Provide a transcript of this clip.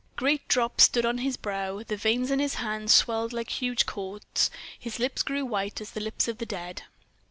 Great drops stood on his brow, the veins in his hands swelled like huge cords, his lips grew white as the lips of the dead.